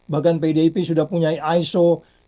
bahkan pdip sudah punya iso